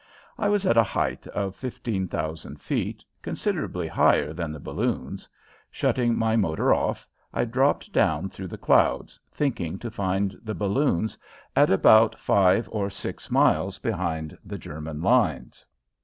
I was at a height of fifteen thousand feet, considerably higher than the balloons. Shutting my motor off, I dropped down through the clouds, thinking to find the balloons at about five or six miles behind the German lines.